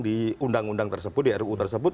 di undang undang tersebut di ruu tersebut